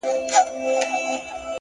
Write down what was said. o زلفـي را تاوي کړي پــر خپلـو اوږو،